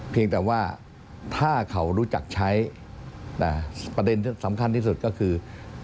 เพียงแต่ว่าถ้าเขารู้จักใช้แต่ประเด็นสำคัญที่สุดก็คือ